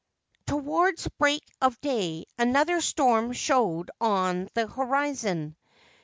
Towards break of day another storm showed on the horizon.